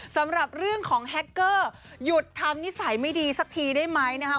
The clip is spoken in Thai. สำหรับเรื่องของแฮคเกอร์หยุดทำนิสัยไม่ดีสักทีได้ไหมนะครับ